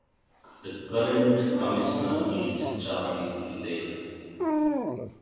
The current commissioner is Charlie Riley.